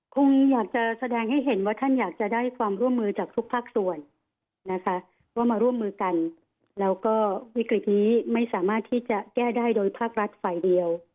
คงอยากจะแสดงให้เห็นว่าท่านอยากจะได้ความร่วมมือจากทุกภาคส่วนนะคะว่ามาร่วมมือกันแล้วก็วิกฤตนี้ไม่สามารถที่จะแก้ได้โดยภาครัฐฝ่ายเดียว